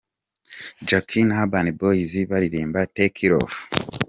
Jackie na Urban Boyz baririmba Take it off.